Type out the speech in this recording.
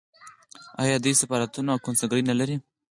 آیا دوی سفارتونه او کونسلګرۍ نلري؟